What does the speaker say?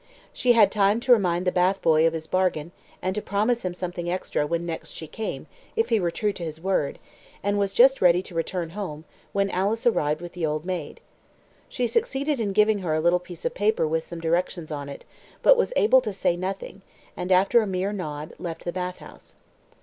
She had time to remind the bath boy of his bargain, and to promise him something extra when next she came, if he were true to his word, and was just ready to return home, when Alice arrived with the old maid. She succeeded in giving her a little piece of paper with some directions on it, but was able to say nothing; and, after a mere nod, left the bath house.